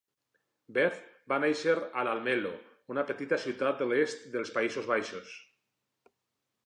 Beth va néixer a Almelo, una petita ciutat de l'est dels Països Baixos.